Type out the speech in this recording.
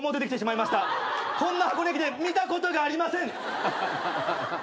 こんな箱根駅伝見たことがありません！